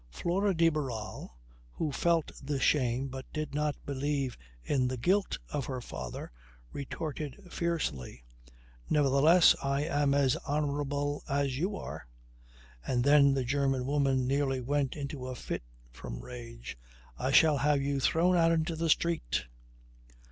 Flora de Barral, who felt the shame but did not believe in the guilt of her father, retorted fiercely, "Nevertheless I am as honourable as you are." And then the German woman nearly went into a fit from rage. "I shall have you thrown out into the street."